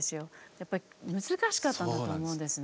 やっぱり難しかったんだと思うんですね。